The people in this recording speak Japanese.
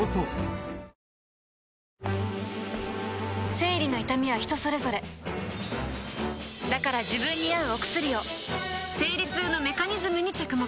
生理の痛みは人それぞれだから自分に合うお薬を生理痛のメカニズムに着目